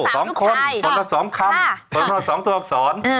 สองคนคนละสองคำคนละสองตัวอักษร